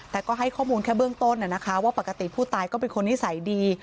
แต่ก็ให้ข้อมูลแค่เบื้องต้นว่าปกติผู้ตายก็เป็นคนนิสัยดี